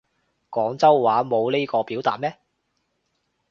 廣州話冇呢個表達咩